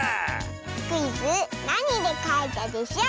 クイズ「なにでかいたでショー」